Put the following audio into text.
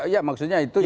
ya maksudnya itu yang